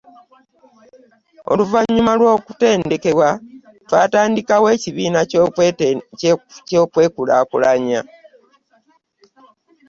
Oluvannyuma lw’okutendekebwa, twatandikawo ekibiina ky’okwekulaakulanya.